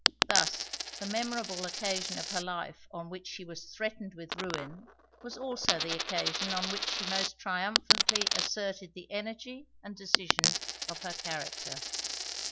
Thus the memorable occasion of her life on which she was threatened with ruin was also the occasion on which she most triumphantly asserted the energy and decision of her character.